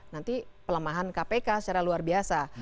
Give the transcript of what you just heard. nanti pelemahan kpk secara luar biasa